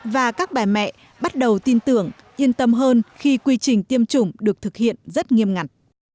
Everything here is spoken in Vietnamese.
và các bà mẹ bắt đầu tin tưởng yên tâm hơn khi quy trình tiêm chủng được thực hiện rất nghiêm ngặt